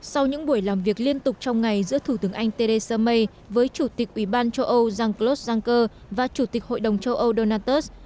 sau những buổi làm việc liên tục trong ngày giữa thủ tướng anh theresa may với chủ tịch ủy ban châu âu jean claude juncker và chủ tịch hội đồng châu âu donald trump